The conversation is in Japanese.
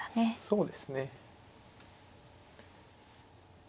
そうですね。